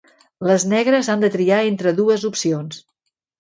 Les negres han de triar entre dues opcions.